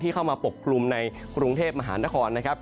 เข้ามาปกคลุมในกรุงเทพมหานครนะครับ